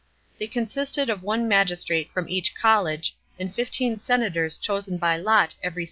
They consisted of one magistrate from each college and fifteen senators chosen by lot every * See below, $ 1, (1).